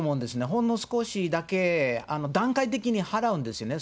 ほんの少しだけ段階的に払うんですね。